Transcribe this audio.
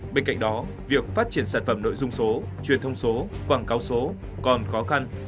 bên cạnh đó việc phát triển sản phẩm nội dung số truyền thông số quảng cáo số còn khó khăn